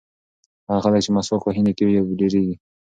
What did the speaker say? هغه خلک چې مسواک وهي نیکۍ یې ډېرېږي.